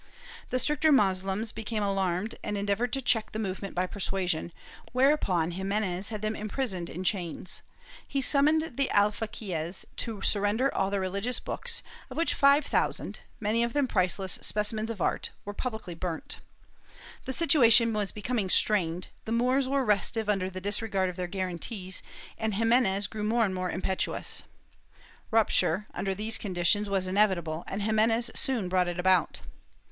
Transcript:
The stricter Moslems became alarmed and endeavored to check the movement by persuasion, whereupon Ximenes had them imprisoned in chains; he summoned the alfaqm'es to surrender all their religious books, of which five thousand — many of them priceless specimens of art — were pub licly burnt. The situation was becoming strained; the Moors were restive under the disregard of their guarantees, and Ximenes grew more and more impetuous. Rupture, under these conditions was inevitable and Ximenes soon brought it about.